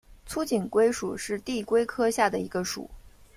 粗颈龟属是地龟科下的一个属。